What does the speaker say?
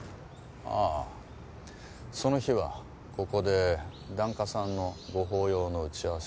ああその日はここで檀家さんのご法要の打ち合わせをしていました。